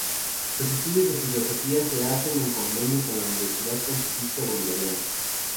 Los estudios de Filosofía se hacen en convenio con la Universidad Pontificia Bolivariana.